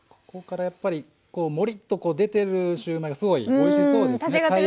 ここからやっぱりこうモリッと出てるシューマイがすごいおいしそうですね。